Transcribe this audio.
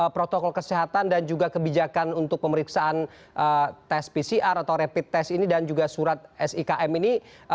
protokol kesehatan dan juga kebijakan untuk pemeriksaan tes pcr atau rapid test ini dan juga surat sikm ini